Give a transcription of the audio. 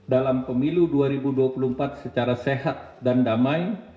dalam pemilu dua ribu dua puluh empat secara sehat dan damai